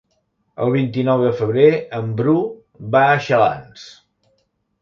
El vint-i-nou de febrer en Bru va a Xalans.